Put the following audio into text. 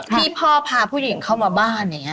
ที่พ่อพาผู้หญิงเข้ามาบ้านอย่างนี้